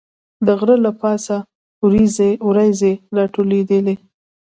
د غره له پاسه وریځې راټولېدې.